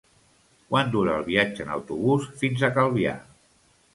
Quant dura el viatge en autobús fins a Calvià?